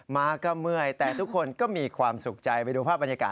มาก็เมื่อยแต่ทุกคนก็มีความสุขใจไปดูภาพบรรยากาศ